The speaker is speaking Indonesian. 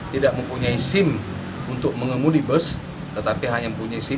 tidak mempunyai sim untuk mengemudi bus tetapi hanya mempunyai sim